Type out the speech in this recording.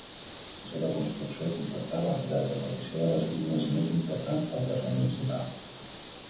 La seva construcció comportà la desaparició de les vinyes més importants del terme municipal.